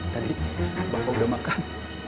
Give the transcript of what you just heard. tadi bapak udah makan